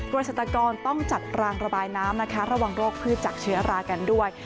โดยสถานกรณ์ต้องจัดรางระบายน้ำนะคะระหว่างโรคพืชจักรเชื้อรากันด้วย